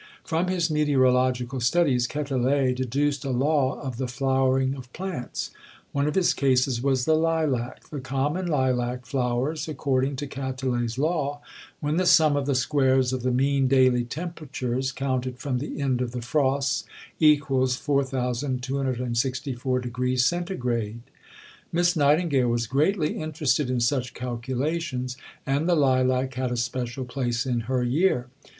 From his meteorological studies, Quetelet deduced a law of the flowering of plants. One of his cases was the lilac. The common lilac flowers, according to Quetelet's law, when the sum of the squares of the mean daily temperatures, counted from the end of the frosts, equals 4264° centigrade. Miss Nightingale was greatly interested in such calculations, and the lilac had a special place in her year.